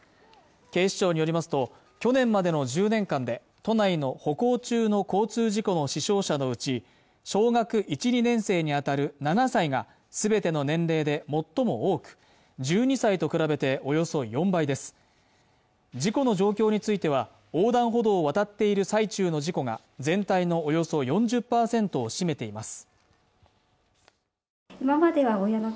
警視庁によりますと去年までの１０年間で都内の歩行中の交通事故の死傷者のうち小学１・２年生にあたる７歳がすべての年齢で最も多く１２歳と比べておよそ４倍です事故の状況については横断歩道を渡っている最中の事故が全体のおよそ４０％を占めています